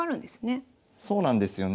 そうなんですよね。